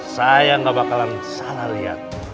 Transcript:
saya gak bakalan salah lihat